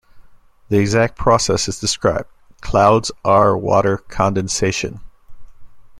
The exact process is described: Clouds are water condensation.